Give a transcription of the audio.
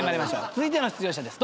続いての出場者です。